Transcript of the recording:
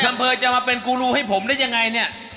อำเภอจะมาเป็นกูรูให้ผมได้ยังไงเนี่ย